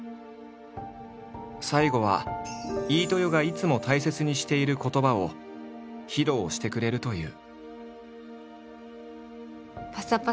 最後は飯豊がいつも大切にしている言葉を披露してくれるという。